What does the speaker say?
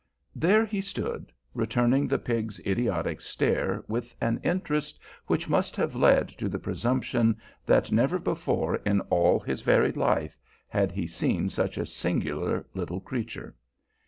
There he stood, returning the pig's idiotic stare with an interest which must have led to the presumption that never before in all his varied life had he seen such a singular little creature.